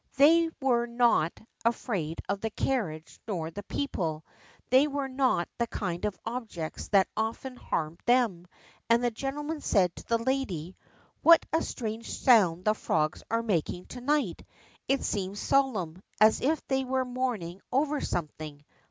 They were not afraid of the carriage nor the people, they were not the kind of objects that often harmed them, and tlie gentleman said to the lady: Wliat a strange sound the frogs are making to niglit. It seems solemn, as if they were mourn ing over something.